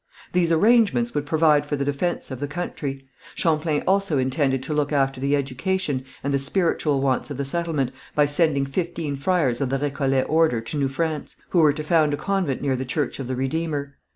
These arrangements would provide for the defense of the country. Champlain also intended to look after the education and the spiritual wants of the settlement, by sending fifteen friars of the Récollet order to New France, who were to found a convent near the Church of the Redeemer.